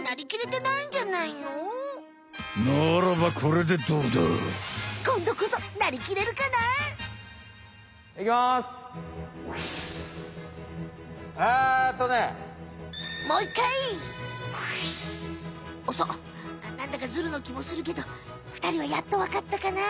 なんだかずるのきもするけどふたりはやっとわかったかな。